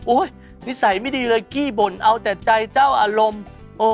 นิสัยไม่ดีเลยกี้บ่นเอาแต่ใจเจ้าอารมณ์